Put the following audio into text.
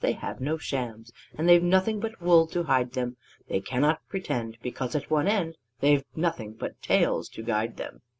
They have no shams, And they've nothing but wool to hide them. They cannot pretend Because at one end They've nothing but tails to guide them.